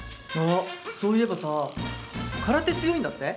そういえば空手強いんだって？